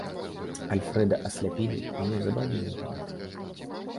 Альфрэда асляпілі і неўзабаве ён памёр.